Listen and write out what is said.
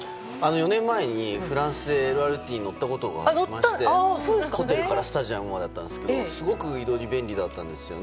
４年前にフランスでＬＲＴに乗ったことがあってホテルからスタジアムまでだったんですがすごく移動に便利でした。